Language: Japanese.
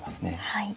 はい。